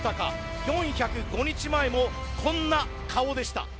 ４０５日前もこんな顔でした。